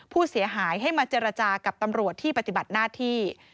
ผู้เสียหายให้มาเจรจากับตำรวจที่ปฏิบัติหน้าที่